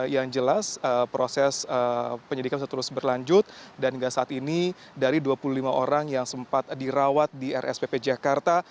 yang jelas proses penyidikan bisa terus berlanjut dan hingga saat ini dari dua puluh lima orang yang sempat dirawat di rspp jakarta